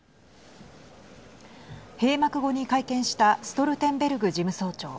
閉幕後に会見したストルテンベルグ事務総長。